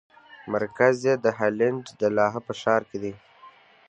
مرکز یې د هالنډ د لاهه په ښار کې دی.